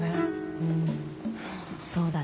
うんそうだね。